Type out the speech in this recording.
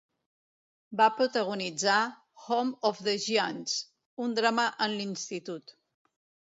Va protagonitzar "Home of the Giants", un drama en l'institut.